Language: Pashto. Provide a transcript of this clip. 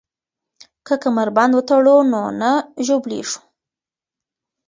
که کمربند وتړو نو نه ژوبلیږو.